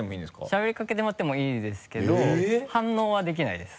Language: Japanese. しゃべりかけてもらってもいいですけど反応はできないです。